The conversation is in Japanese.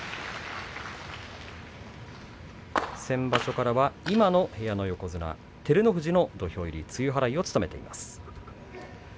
先場所からは今の部屋の横綱照ノ富士の土俵入り露払いを務めています。